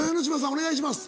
お願いします。